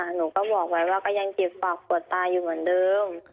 หนูก็บอกไว้ว่าก็ยังเจ็บปากปวดตาอยู่เหมือนเดิม